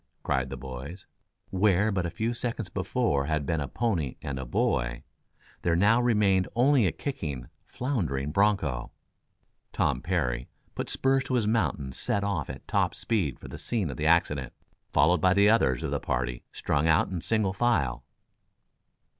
cried the boys. Where but a few seconds before had been a pony and a boy, there now remained only a kicking, floundering broncho. Tom Parry put spurs to his mount and set off at top speed for the scene of the accident, followed by the others of the party strung out in single file.